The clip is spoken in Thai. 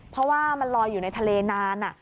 เพราะว่ามันลอยอยู่ในทะเลนาน